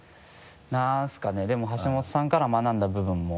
何ですかねでも橋本さんから学んだ部分も。